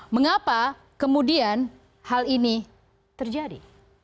mengapa kemudian hal ini terjadi